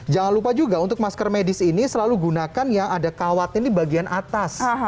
jangan lupa juga untuk masker medis ini selalu gunakan yang ada kawatnya di bagian atas